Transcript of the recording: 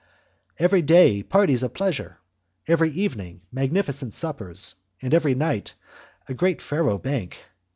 Every day parties of pleasure, every evening magnificent suppers, and every night a great faro bank.